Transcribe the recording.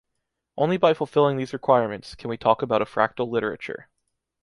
Only by fulfilling these requirements, can we talk about a fractal literature.